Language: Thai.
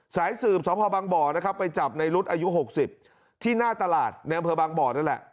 สายสื่อสภบไปจับในรุดอายุ๖๐ที่หน้าตลาดแนนเผือบางบ่อนั่นแหละ